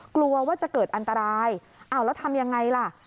กลัวว่าจะเกิดอันตรายอ้าวแล้วทำยังไงล่ะ